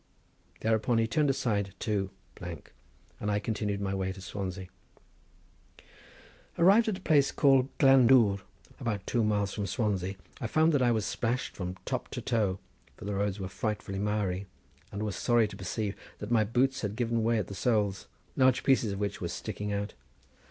Thereupon he turned aside to —, and I continued my way to Swansea. Arrived at a place called Glandwr, about two miles from Swansea, I found that I was splashed from top to toe, for the roads were frightfully miry, and was sorry to perceive that my boots had given way at the soles, large pieces of which were sticking out.